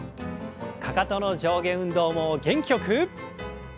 かかとの上下運動を元気よく。